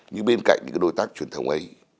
nhưng bên cạnh những cái đối tác truyền thống ấy